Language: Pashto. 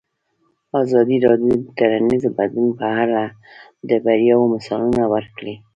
ازادي راډیو د ټولنیز بدلون په اړه د بریاوو مثالونه ورکړي.